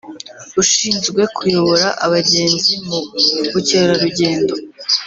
ushinzwe kuyobora abagenzi mu bukerarugendo